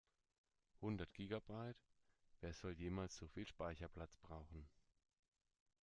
Hundert Gigabyte, wer soll jemals so viel Speicherplatz brauchen?